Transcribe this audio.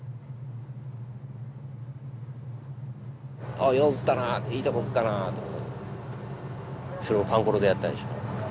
ああよう撃ったないいとこ撃ったなそれをパンコロでやったでしょう。